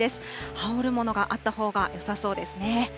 羽織るものがあったほうがよさそうですね。